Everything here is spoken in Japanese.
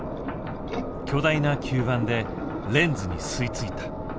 巨大な吸盤でレンズに吸い付いた。